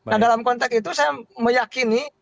nah dalam konteks itu saya meyakini